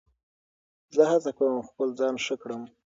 زه هڅه کوم خپل ځان ښه کړم.